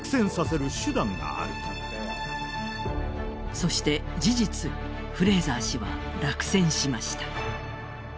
そして事実、フレーザー氏は落選しました。